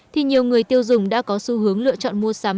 thì nhiều người tiêu dùng đã có xu hướng lựa chọn mua sắm